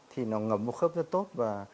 thì nó ngầm vào khớp rất tốt và